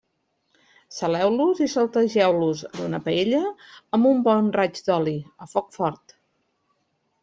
Saleu-los i saltegeu-los en una paella amb un bon raig d'oli, a foc fort.